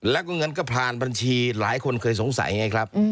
แล้วก็เงินก็ผ่านบัญชีหลายคนเคยสงสัยไงครับ